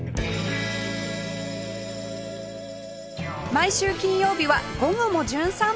毎週金曜日は『午後もじゅん散歩』